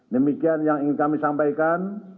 demikian yang ingin kami sampaikan